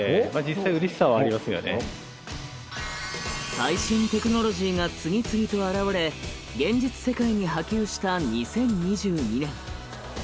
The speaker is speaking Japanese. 最新テクノロジーが次々と現れ現実世界に波及した２０２２年。